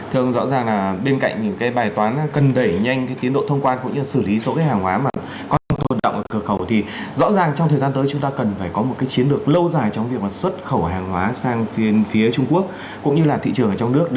thưa ông rõ ràng là bên cạnh những cái bài toán cần đẩy nhanh cái tiến độ thông quan cũng như xử lý số cái hàng hóa mà có tồn động ở cửa khẩu thì rõ ràng trong thời gian tới chúng ta cần phải có một cái chiến lược lâu dài trong việc xuất khẩu hàng hóa sang phía trung quốc cũng như là thị trường ở trong nước